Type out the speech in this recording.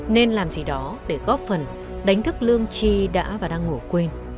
nên làm gì đó để góp phần đánh thức lương chi đã và đang ngủ quên